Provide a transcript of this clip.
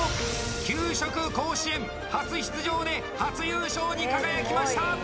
「給食甲子園」初出場で初優勝に輝きました！